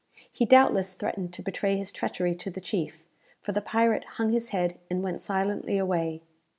He doubtless threatened to betray his treachery to the chief; for the pirate hung his head, and went silently away.